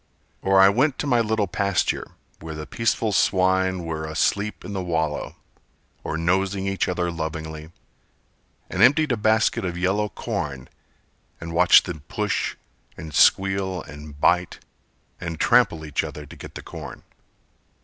Or I went to my little pasture, Where the peaceful swine were asleep in the wallow, Or nosing each other lovingly, And emptied a basket of yellow corn, And watched them push and squeal and bite, And trample each other to get the corn.